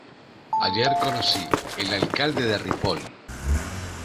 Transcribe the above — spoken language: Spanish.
Ayer conocí el alcalde de Ripoll.